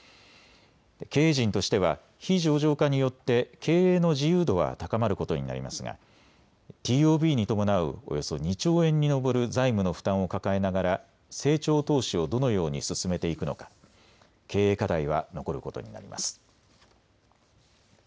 経営陣としては非上場化によって経営の自由度は高まることになりますがＴＯＢに伴うおよそ２兆円に上る財務の負担を抱えながら成長投資をどのように進めていくのか経営課題は残ることになります。